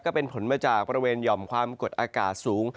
ก็เป็นผลมาจากบริเวณหย่อมความกดอากาศสูง